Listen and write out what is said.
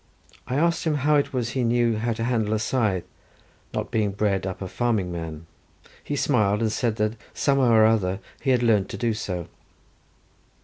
I asked him how it was he knew how to handle a scythe, not being bred up a farming man; he smiled, and said that, somehow or other, he had learnt to do so.